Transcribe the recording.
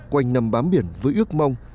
quanh nằm bám biển với ước mong